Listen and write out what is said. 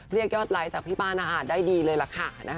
เรียกยอดไลค์จากพี่ป้านะคะได้ดีเลยล่ะค่ะ